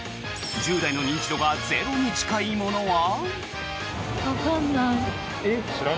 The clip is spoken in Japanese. １０代の認知度がゼロに近いものは？